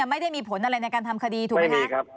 ไม่ได้มีผลอะไรในการทำคดีถูกไหมคะ